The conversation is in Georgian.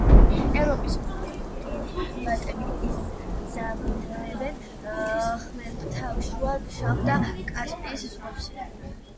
ევროპის მკვიდრი ბატები იზამთრებენ ხმელთაშუა, შავ და კასპიის ზღვებზე.